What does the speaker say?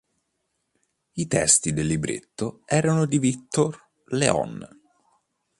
I testi del libretto erano di Victor Léon.